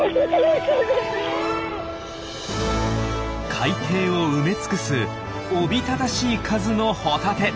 海底を埋め尽くすおびただしい数のホタテ！